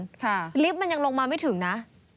ลิฟต์มันยังลงมาไม่ถึงนะ